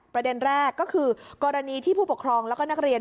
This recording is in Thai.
ประเด็นแรกก็คือกรณีที่ผู้ปกครองแล้วก็นักเรียน